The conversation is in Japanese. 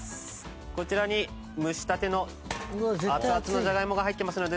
こちらに蒸したての熱々のじゃがいもが入ってますので。